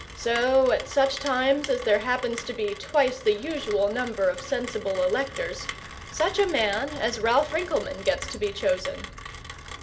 So at such times as there happens to be twice the usual number of sensible electors, such a man as Ralph Rinkelmann gets to be chosen.